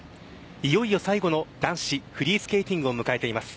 いよいよ最後の男子フリースケーティングを迎えています。